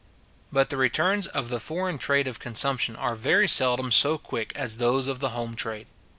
But the returns of the foreign trade of consumption are very seldom so quick as those of the home trade.